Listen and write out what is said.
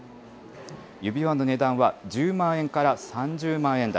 指輪の値段は１０万円から３０万円台。